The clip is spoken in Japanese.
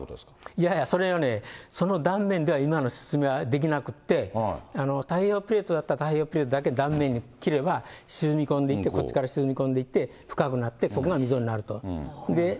いやいやそれがね、その断面では今の説明はできなくて、太平洋プレートだったら太平洋プレートだけ断面に切れば、沈み込んでいって、こっちから沈み込んでいって、深くなってそこが溝になると。